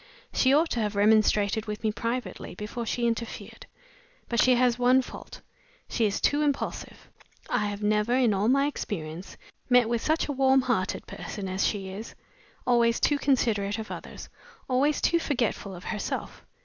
She ought to have remonstrated with me privately before she interfered. But she has one fault she is too impulsive. I have never, in all my experience, met with such a warm hearted person as she is. Always too considerate of others; always too forgetful of herself!